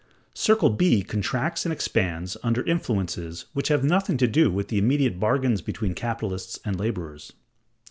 Circle B contracts and expands under influences which have nothing to do with the immediate bargains between capitalists and laborers.